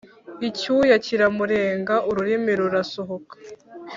icyuya kiramurenga, ururimi rurasohoka,